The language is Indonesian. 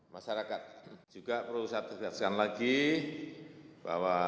masyarakat juga perlu disatukan lagi bahwa